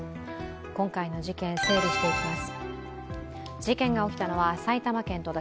今回の事件、整理していきます。